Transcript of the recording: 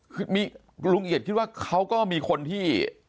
คือลุงเอียดคิดว่าเขาก็มีคนที่